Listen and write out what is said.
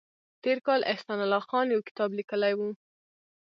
تېر کال احسان الله خان یو کتاب لیکلی و